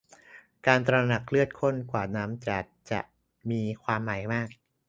การตระหนักว่าเลือดข้นกว่าน้ำอาจมีความหมายมาก